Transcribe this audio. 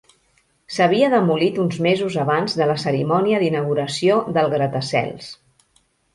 S'havia demolit uns mesos abans de la cerimònia d'inauguració del gratacels.